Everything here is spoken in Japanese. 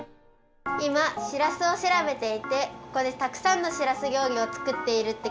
いましらすをしらべていてここでたくさんのしらす料理を作っているってきいたんですけど。